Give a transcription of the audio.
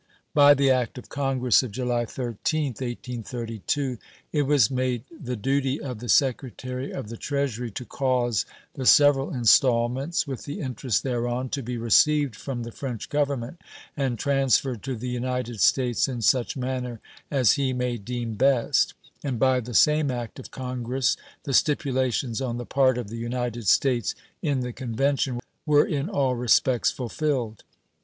By the act of Congress of July 13th, 1832 it was made the duty of the Secretary of the Treasury to cause the several installments, with the interest thereon, to be received from the French Government and transferred to the United States in such manner as he may deem best; and by the same act of Congress the stipulations on the part of the United States in the convention were in all respects fulfilled.